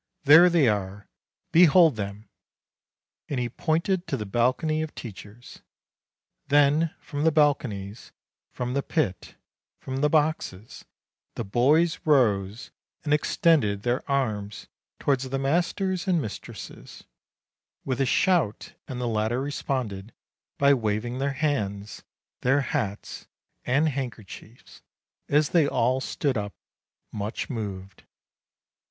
There they are; behold them!" And he pointed to the balcony of teachers. Then, from the balconies, from the pit, from the boxes, the boys rose, and extended their arms towards the masters and mistresses, with a shout, and the latter responded by waving their hands, their hats, and handkerchiefs, as they all stood up, much moved.